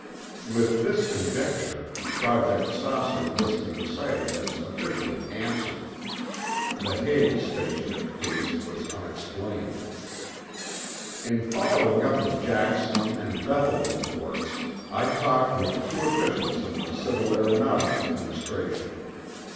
(With this conjecture, Project "Saucer" listed the sighting as officially answered. The Hague space ship case was unexplained.) In following up the Jackson and Bethel reports, I talked with two officials in the Civil Aeronautics Administration.